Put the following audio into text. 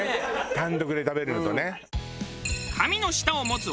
単独で食べるのとね。